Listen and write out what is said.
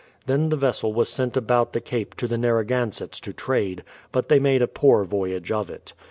Then the vessel was sent about the Cape to the Narragansetts to trade, but they made a poor voyage of it.